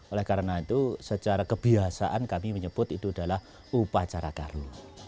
oleh karena itu secara kebiasaan kami menyebut itu adalah upacara baru